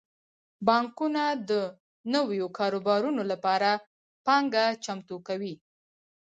بانکونه د نویو کاروبارونو لپاره پانګه چمتو کوي.